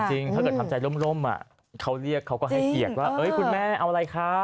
จริงถ้าเกิดทำใจร่มเขาเรียกเขาก็ให้เกียรติว่า